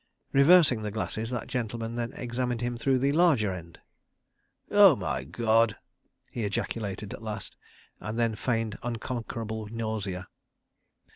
Reversing the glasses, that gentleman then examined him through the larger end. "Oh, my God!" he ejaculated at last, and then feigned unconquerable nausea.